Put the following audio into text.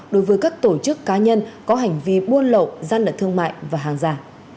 đối với các tổ chức cá nhân có hành vi muôn lậu gian lệ thương mại và hàng giả